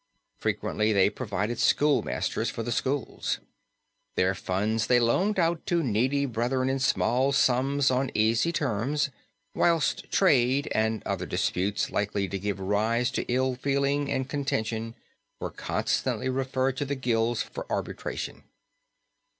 Frequently they provided schoolmasters for the schools. Their funds they loaned out to needy brethren in small sums on easy terms, whilst trade and other disputes likely to give rise to ill feeling and contention were constantly referred to the guilds for arbitration.